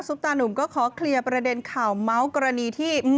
ตาหนุ่มก็ขอเคลียร์ประเด็นข่าวเมาส์กรณีที่